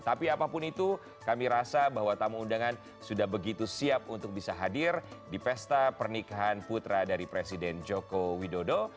tapi apapun itu kami rasa bahwa tamu undangan sudah begitu siap untuk bisa hadir di pesta pernikahan putra dari presiden joko widodo